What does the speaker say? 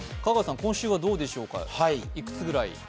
今週はどうでしょうか、いくつぐらい？